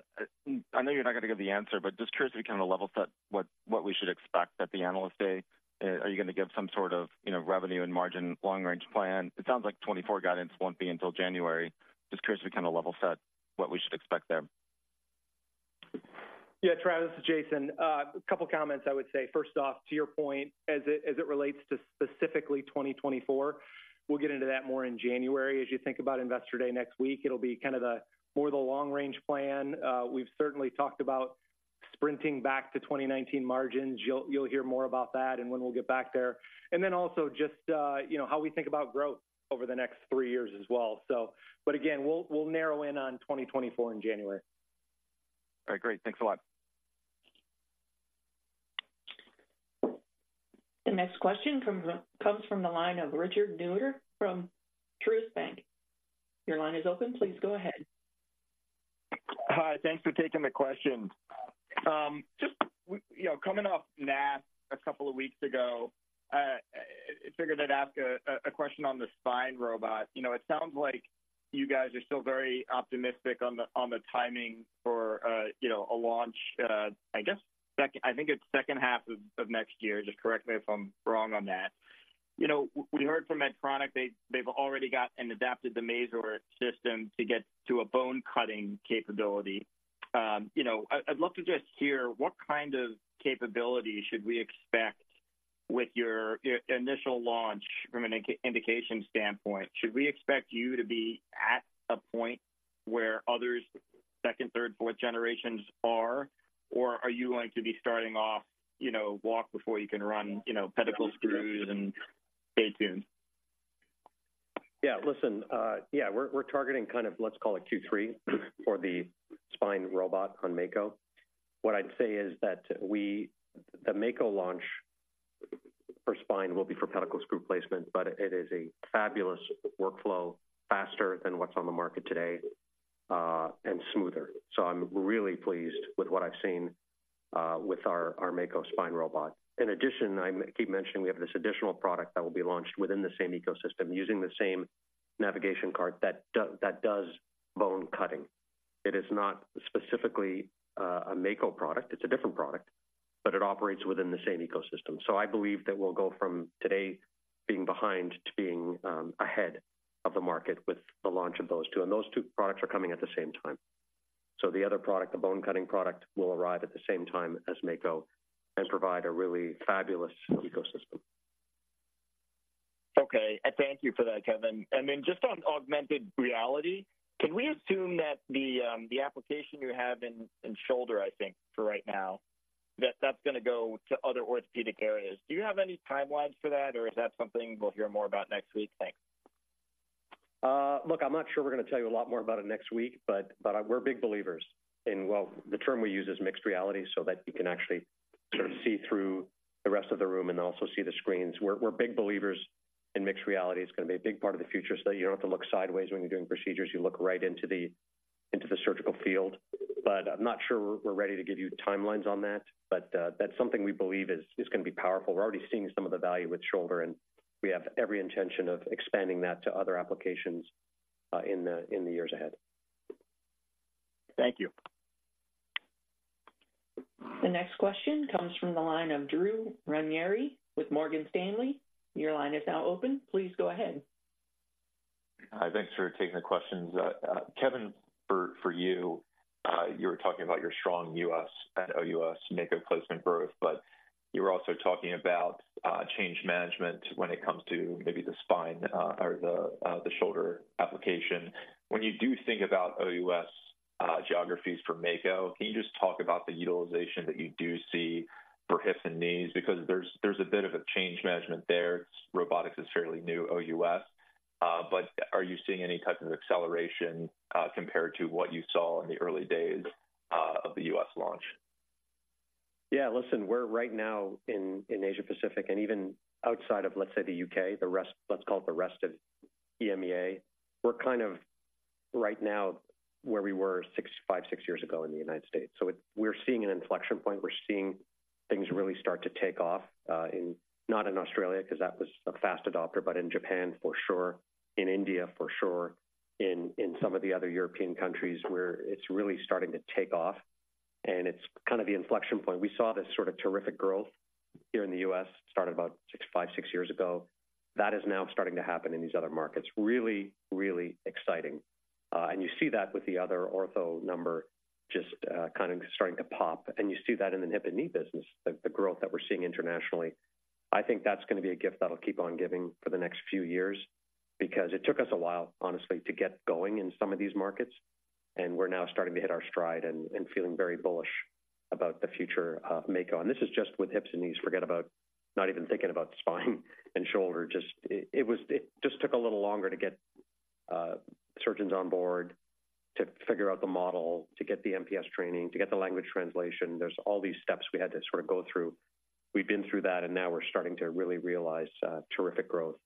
I know you're not gonna give the answer, but just curious to kind of level set what we should expect at the Analyst Day. Are you gonna give some sort of, you know, revenue and margin long-range plan? It sounds like 2024 guidance won't be until January. Just curious to kind of level set what we should expect there. Yeah, Travis, this is Jason. A couple of comments I would say. First off, to your point, as it, as it relates to specifically 2024, we'll get into that more in January. As you think about Investor Day next week, it'll be kind of the more the long-range plan. We've certainly talked about sprinting back to 2019 margins. You'll, you'll hear more about that and when we'll get back there. And then also just, you know, how we think about growth over the next three years as well. So, but again, we'll, we'll narrow in on 2024 in January. All right, great. Thanks a lot. The next question comes from the line of Richard Newitter from Truist Bank. Your line is open. Please go ahead. Hi, thanks for taking the question. Just, you know, coming off NASS a couple of weeks ago, I figured I'd ask a question on the spine robot. You know, it sounds like you guys are still very optimistic on the timing for, you know, a launch, I guess, second half of next year. Just correct me if I'm wrong on that. You know, we heard from Medtronic, they've already got and adapted the Mazor system to get to a bone-cutting capability. You know, I'd love to just hear what kind of capability should we expect with your initial launch from an indication standpoint? Should we expect you to be at a point where others, second, third, fourth generations are? Or are you going to be starting off, you know, walk before you can run, you know, pedicle screws and stay tuned? Yeah, listen, yeah, we're targeting kind of, let's call it Q3 for the spine robot on Mako. What I'd say is that the Mako launch for spine will be for pedicle screw placement, but it is a fabulous workflow, faster than what's on the market today, and smoother. So I'm really pleased with what I've seen with our Mako spine robot. In addition, I keep mentioning, we have this additional product that will be launched within the same ecosystem, using the same navigation cart that does bone cutting. It is not specifically a Mako product, it's a different product, but it operates within the same ecosystem. So I believe that we'll go from today being behind to being ahead of the market with the launch of those two, and those two products are coming at the same time. The other product, the bone cutting product, will arrive at the same time as Mako and provide a really fabulous ecosystem. Okay, and thank you for that, Kevin. And then just on augmented reality, can we assume that the, the application you have in shoulder, I think, for right now, that that's gonna go to other orthopedic areas? Do you have any timelines for that, or is that something we'll hear more about next week? Thanks. Look, I'm not sure we're gonna tell you a lot more about it next week, but, but, we're big believers in... Well, the term we use is mixed reality, so that you can actually sort of see through the rest of the room and also see the screens. We're, we're big believers in mixed reality. It's gonna be a big part of the future, so you don't have to look sideways when you're doing procedures. You look right into the, into the surgical field. But I'm not sure we're, we're ready to give you timelines on that, but, that's something we believe is, is gonna be powerful. We're already seeing some of the value with shoulder, and we have every intention of expanding that to other applications, in the, in the years ahead. Thank you. The next question comes from the line of Drew Ranieri with Morgan Stanley. Your line is now open. Please go ahead. Hi, thanks for taking the questions. Kevin, for you, you were talking about your strong US and OUS Mako placement growth, but you were also talking about change management when it comes to maybe the spine or the shoulder application. When you do think about OUS geographies for Mako, can you just talk about the utilization that you do see for hips and knees? Because there's, there's a bit of a change management there. Robotics is fairly new, OUS, but are you seeing any type of acceleration compared to what you saw in the early days of the US launch? Yeah, listen, we're right now in Asia Pacific and even outside of, let's say, the U.K., the rest—let's call it the rest of EMEA. We're kind of right now where we were 5-6 years ago in the United States. So it—we're seeing an inflection point. We're seeing things really start to take off in—not in Australia, because that was a fast adopter, but in Japan for sure, in India for sure, in some of the other European countries where it's really starting to take off, and it's kind of the inflection point. We saw this sort of terrific growth here in the U.S., started about 5-6 years ago. That is now starting to happen in these other markets. Really, really exciting. You see that with the other ortho number just kind of starting to pop, and you see that in the hip and knee business, the growth that we're seeing internationally.... I think that's gonna be a gift that'll keep on giving for the next few years, because it took us a while, honestly, to get going in some of these markets, and we're now starting to hit our stride and feeling very bullish about the future of Mako. And this is just with hips and knees. Forget about not even thinking about spine and shoulder. Just, it just took a little longer to get surgeons on board, to figure out the model, to get the MPS training, to get the language translation. There's all these steps we had to sort of go through. We've been through that, and now we're starting to really realize terrific growth.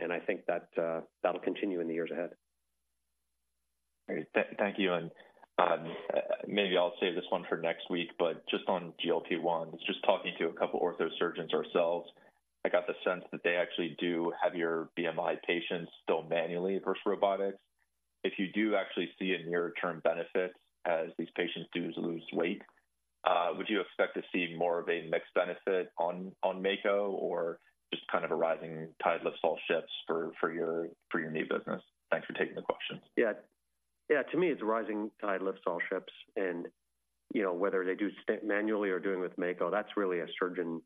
And I think that that'll continue in the years ahead. Great. Thank you, and, maybe I'll save this one for next week, but just on GLP-1. Just talking to a couple of ortho surgeons ourselves, I got the sense that they actually do heavier BMI patients still manually versus robotics. If you do actually see a near-term benefit as these patients do lose weight, would you expect to see more of a mixed benefit on, on Mako, or just kind of a rising tide lifts all ships for, for your, for your knee business? Thanks for taking the question. Yeah. Yeah, to me, it's a rising tide lifts all ships. And, you know, whether they do manually or doing with Mako, that's really a surgeon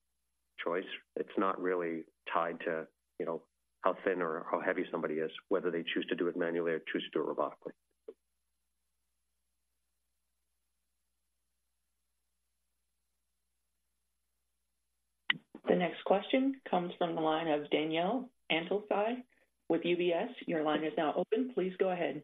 choice. It's not really tied to, you know, how thin or how heavy somebody is, whether they choose to do it manually or choose to do it robotically. The next question comes from the line of Danielle Antalffy with UBS. Your line is now open. Please go ahead.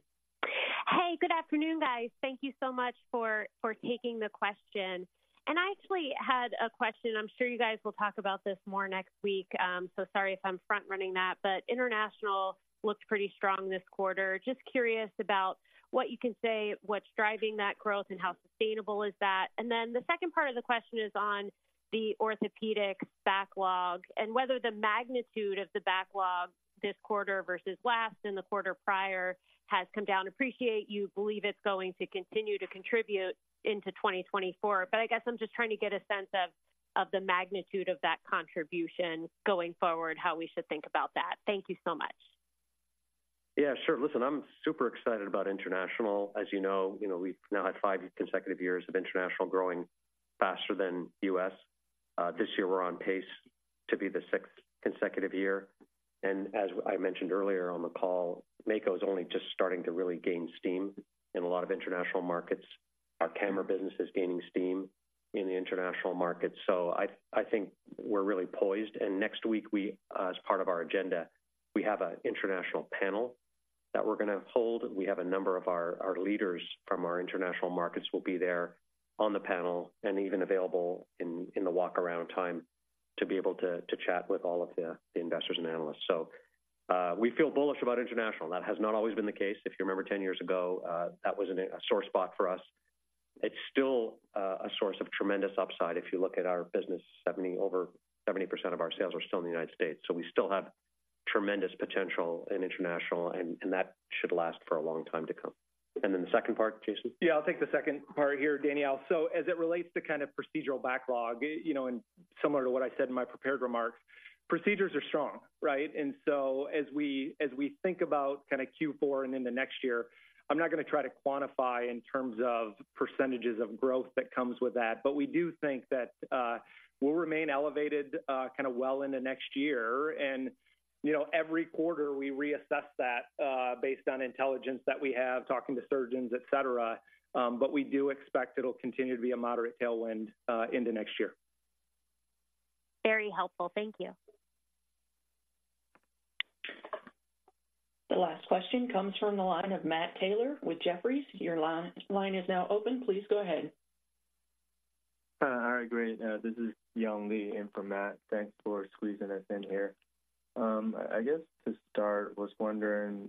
Hey, good afternoon, guys. Thank you so much for taking the question. And I actually had a question. I'm sure you guys will talk about this more next week, so sorry if I'm front-running that, but international looked pretty strong this quarter. Just curious about what you can say, what's driving that growth, and how sustainable is that? And then the second part of the question is on the orthopedic backlog and whether the magnitude of the backlog this quarter versus last and the quarter prior has come down. Appreciate you believe it's going to continue to contribute into 2024, but I guess I'm just trying to get a sense of the magnitude of that contribution going forward, how we should think about that. Thank you so much. Yeah, sure. Listen, I'm super excited about international. As you know, you know, we've now had five consecutive years of international growing faster than U.S. This year, we're on pace to be the sixth consecutive year. And as I mentioned earlier on the call, Mako is only just starting to really gain steam in a lot of international markets. Our camera business is gaining steam in the international market, so I, I think we're really poised. And next week, we, as part of our agenda, we have an international panel that we're gonna hold. We have a number of our, our leaders from our international markets will be there on the panel and even available in, in the walk-around time to be able to, to chat with all of the, the investors and analysts. So, we feel bullish about international. That has not always been the case. If you remember 10 years ago, that was a sore spot for us. It's still a source of tremendous upside. If you look at our business, over 70% of our sales are still in the United States, so we still have tremendous potential in international, and that should last for a long time to come. And then the second part, Jason? Yeah, I'll take the second part here, Danielle. So as it relates to kind of procedural backlog, you know, and similar to what I said in my prepared remarks, procedures are strong, right? And so as we, as we think about kind of Q4 and in the next year, I'm not gonna try to quantify in terms of percentages of growth that comes with that. But we do think that we'll remain elevated kind of well into next year. And, you know, every quarter, we reassess that based on intelligence that we have, talking to surgeons, et cetera. But we do expect it'll continue to be a moderate tailwind into next year. Very helpful. Thank you. The last question comes from the line of Matt Taylor with Jefferies. Your line, line is now open. Please go ahead. All right, great. This is Young Li in for Matt. Thanks for squeezing us in here. I guess to start, was wondering,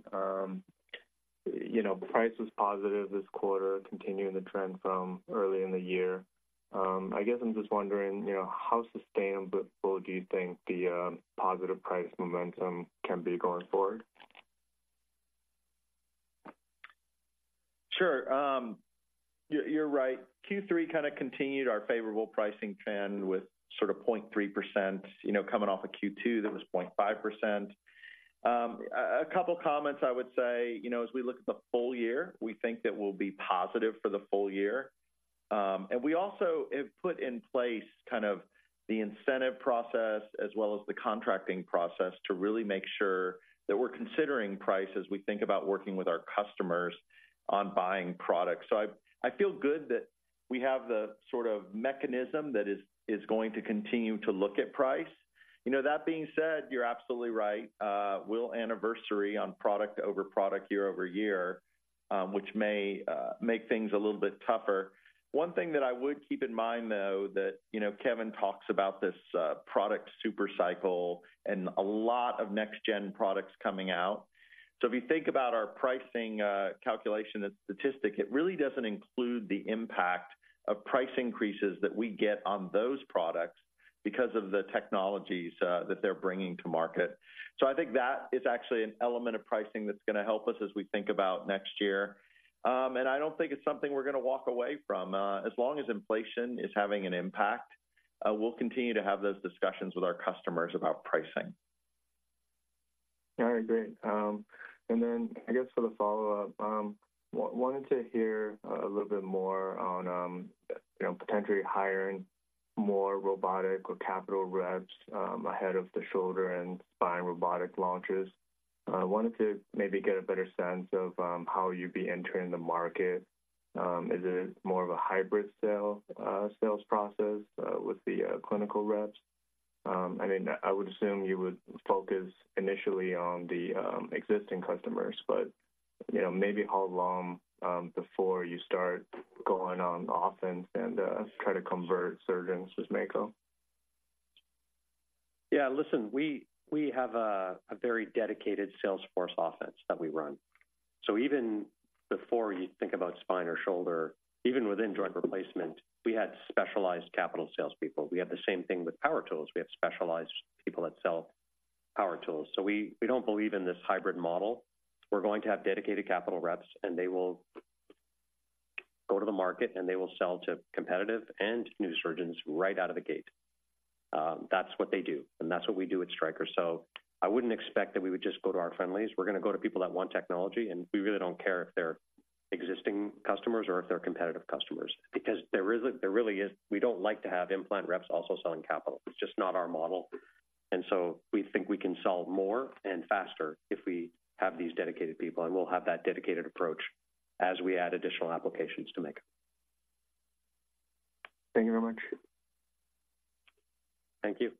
you know, price was positive this quarter, continuing the trend from earlier in the year. I guess I'm just wondering, you know, how sustainable do you think the positive price momentum can be going forward? Sure. You're right. Q3 kind of continued our favorable pricing trend with sort of 0.3%. You know, coming off a Q2, that was 0.5%. A couple of comments I would say, you know, as we look at the full year, we think that we'll be positive for the full year. And we also have put in place kind of the incentive process as well as the contracting process, to really make sure that we're considering price as we think about working with our customers on buying products. So I feel good that we have the sort of mechanism that is going to continue to look at price. You know, that being said, you're absolutely right. We'll anniversary on product over product, year-over-year, which may make things a little bit tougher. One thing that I would keep in mind, though, that, you know, Kevin talks about this product super cycle and a lot of next gen products coming out. So if you think about our pricing calculation and statistic, it really doesn't include the impact of price increases that we get on those products because of the technologies that they're bringing to market. So I think that is actually an element of pricing that's gonna help us as we think about next year. And I don't think it's something we're gonna walk away from. As long as inflation is having an impact, we'll continue to have those discussions with our customers about pricing.... All right, great. And then I guess for the follow-up, wanted to hear a little bit more on, you know, potentially hiring more robotic or capital reps, ahead of the shoulder and spine robotic launches. I wanted to maybe get a better sense of, how you'd be entering the market. Is it more of a hybrid sale, sales process, with the clinical reps? I mean, I would assume you would focus initially on the existing customers, but, you know, maybe how long, before you start going on offense and try to convert surgeons with Mako? Yeah, listen, we have a very dedicated sales force and force that we run. So even before you think about spine or shoulder, even within joint replacement, we had specialized capital salespeople. We have the same thing with power tools. We have specialized people that sell power tools. So we don't believe in this hybrid model. We're going to have dedicated capital reps, and they will go to the market, and they will sell to competitive and new surgeons right out of the gate. That's what they do, and that's what we do at Stryker. So I wouldn't expect that we would just go to our friendlies. We're going to go to people that want technology, and we really don't care if they're existing customers or if they're competitive customers because there isn't, there really is. We don't like to have implant reps also selling capital. It's just not our model. And so we think we can sell more and faster if we have these dedicated people, and we'll have that dedicated approach as we add additional applications to Mako. Thank you very much. Thank you.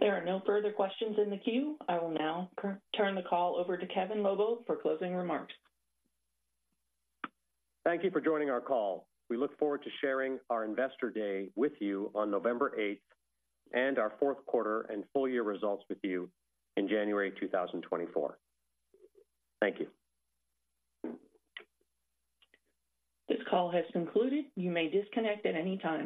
There are no further questions in the queue. I will now turn the call over to Kevin Lobo for closing remarks. Thank you for joining our call. We look forward to sharing our Investor Day with you on November 8, and our fourth quarter and full year results with you in January 2024. Thank you. This call has concluded. You may disconnect at any time.